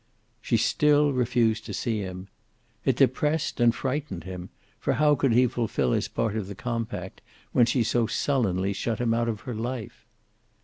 She still refused to see him. It depressed and frightened him, for how could he fulfill his part of the compact when she so sullenly shut him out of her life?